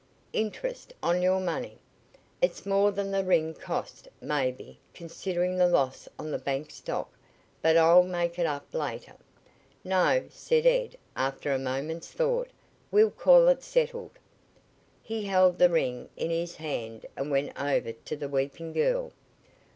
"Interest on your money. It's more than the ring cost, maybe, considering the loss on the bank stock, but I'll make it up later." "No," said Ed after a moment's thought "We'll call it settled." He held the ring in his hand and went over to the weeping girl.